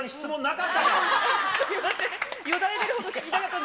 すみません。